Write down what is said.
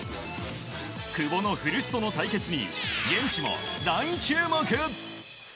久保の古巣との対決に現地も大注目。